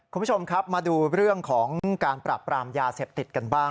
คุณผู้ชมครับมาดูเรื่องของการปราบปรามยาเสพติดกันบ้าง